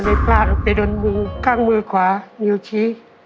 ก็เลยปลาลนไปตนข้างมือขวานิ้วชิ